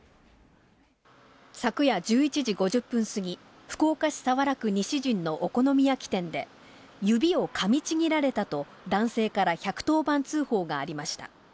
昨夜１１時５０分過ぎ、福岡市早良区西新のお好み焼き店で、指をかみちぎられたと男性から１１０番通報がありました。